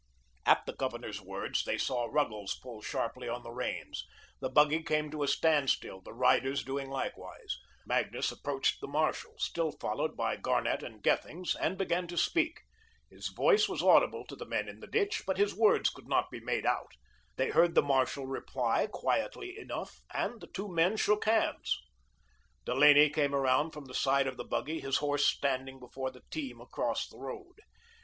At the Governor's words, they saw Ruggles pull sharply on the reins. The buggy came to a standstill, the riders doing likewise. Magnus approached the marshal, still followed by Garnett and Gethings, and began to speak. His voice was audible to the men in the ditch, but his words could not be made out. They heard the marshal reply quietly enough and the two shook hands. Delaney came around from the side of the buggy, his horse standing before the team across the road.